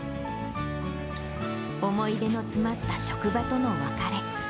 思い出の詰まった職場との別れ。